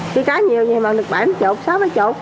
cái cá nhiều thì bằng được bảy mươi chục sáu mươi chục